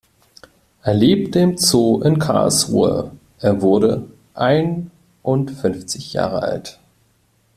Er lebte im Zoo in Karlsruhe, er wurde einundfünfzig Jahre alt.